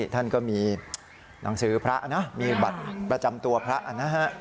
ท่านก็มีหนังสือพระนะมีบัตรประจำตัวพระนะฮะ